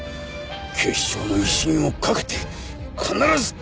警視庁の威信をかけて必ず！